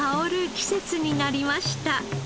季節になりました。